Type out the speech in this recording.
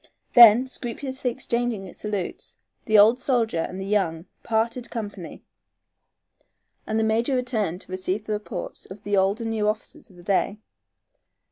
Then, scrupulously exchanging salutes, the old soldier and the young parted company, and the major returned to receive the reports of the old and new officers of the day.